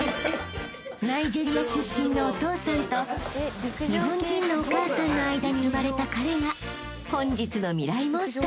［ナイジェリア出身のお父さんと日本人のお母さんの間に生まれた彼が］